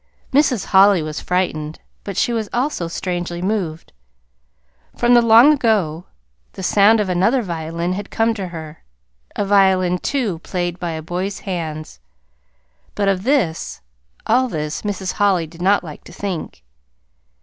Mrs. Holly was frightened, but she was also strangely moved. From the long ago the sound of another violin had come to her a violin, too, played by a boy's hands. But of this, all this, Mrs. Holly did not like to think.